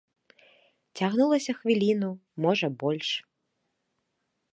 Цягнулася хвіліну, можа, больш.